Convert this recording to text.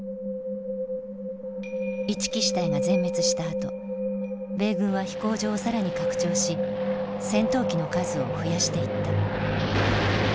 一木支隊が全滅したあと米軍は飛行場を更に拡張し戦闘機の数を増やしていった。